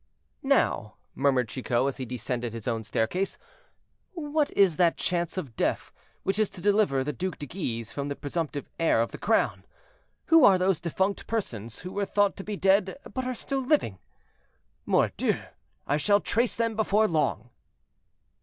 "Now," murmured Chicot, as he descended his own staircase, "what is that chance of death which is to deliver the Duc de Guise from the presumptive heir of the crown? who are those defunct persons who were thought to be dead, but are still living? "Mordioux! I shall trace them before long."